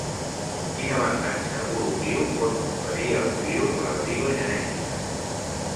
Quin avantatge evolutiu pot conferir als virus la deriva genètica?